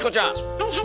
はいはい。